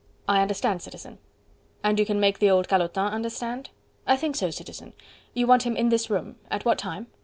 "I understand, Citizen." "And you can make the old calotin understand?" "I think so, Citizen.... You want him in this room.... At what time?"